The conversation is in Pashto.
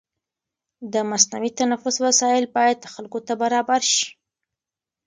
د مصنوعي تنفس وسایل باید خلکو ته برابر شي.